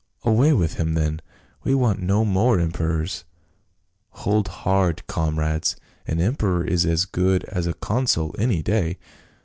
" Away with him then ! we want no more emperors !"" Hold hard, comrades ; an emperor is as good as a consul any day.